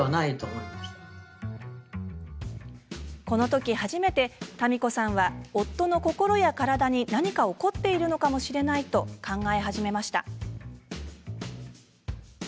このとき初めて、たみこさんは夫の心や体に何か起こっているのかもしれないと考え始めました。